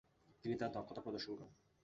তিনি তার দক্ষতা প্রদর্শন করেন।